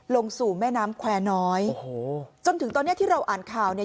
ลงสู่แม่น้ำแควร์น้อยโอ้โหจนถึงตอนเนี้ยที่เราอ่านข่าวเนี่ย